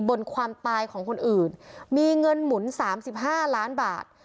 บนความตายของคนอื่นมีเงินหมุน๓๕ล้านบาท